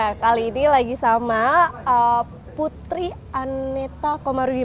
nah kali ini lagi sama putri aneta komarudi